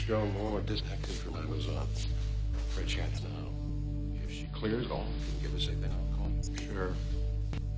はい。